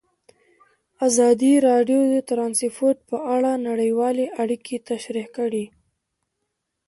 ازادي راډیو د ترانسپورټ په اړه نړیوالې اړیکې تشریح کړي.